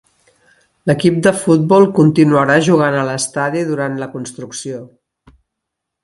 L'equip de futbol continuarà jugant a l'estadi durant la construcció.